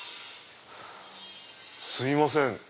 すいません